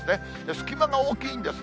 隙間が大きいんです。